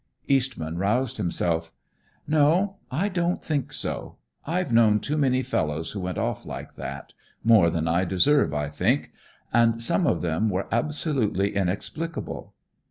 Eastman roused himself. "No, I don't think so. I've known too many fellows who went off like that more than I deserve, I think and some of them were absolutely inexplicable.